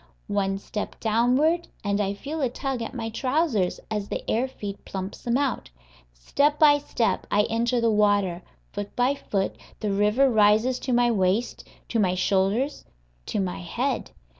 One step downward, and I feel a tug at my trousers as the air feed plumps them out. Step by step I enter the water; foot by foot the river rises to my waist, to my shoulders to my head.